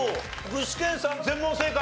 具志堅さん全問正解。